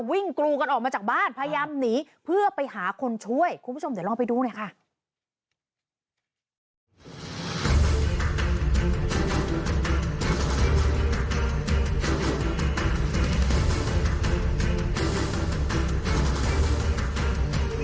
มีใครมาทำร้ายต่อมาอีกทีที่จะมีทุกคนพูดดีกว่าได้ไหม